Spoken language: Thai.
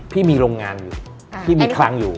พี่มีโรงงานอยู่พี่มีคลังอยู่